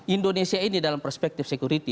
indonesia ini dalam perspektif security